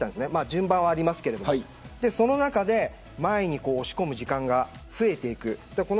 順番はありますけどその中で前に押し込む時間が増えていく。